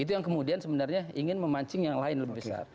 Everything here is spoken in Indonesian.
itu yang kemudian sebenarnya ingin memancing yang lain lebih besar